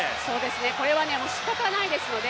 これはしかたないですので